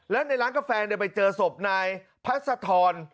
และในร้านกาแฟได้ไปเจอศพนายพระสะธรณ์